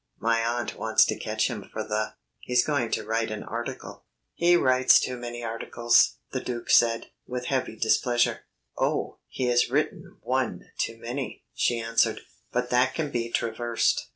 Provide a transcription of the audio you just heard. My aunt wants to catch him for the He's going to write an article." "He writes too many articles," the Duc said, with heavy displeasure. "Oh, he has written one too many," she answered, "but that can be traversed...."